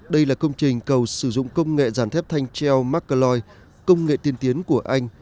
đây là công trình cầu sử dụng công nghệ giàn thép thanh treo maccaloi công nghệ tiên tiến của anh